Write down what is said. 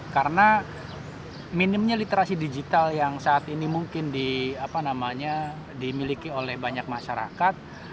karena minimnya literasi digital yang saat ini mungkin dimiliki oleh banyak masyarakat